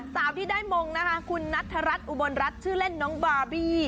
สาวที่ได้มงนะคะคุณนัทรัฐอุบลรัฐชื่อเล่นน้องบาร์บี้